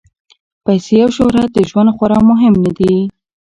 پیسې او شهرت د ژوند خورا مهم نه دي.